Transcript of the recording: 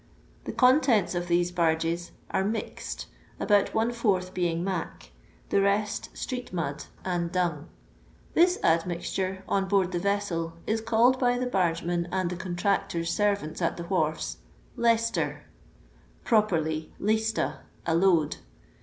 The contents of these baiges are mixed, about one fourth being " mac," the rest street mud and dung. This admixture, on board the vessel, is called by the bargemen and the contractors* servants at the wharfs Leicester (properly La»ta, a load).